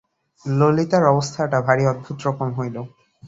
ললিতার অবস্থাটা ভারি অদ্ভুত-রকম হইল।